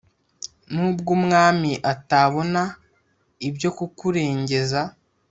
nubwo umwami atabona ibyo kukurengeza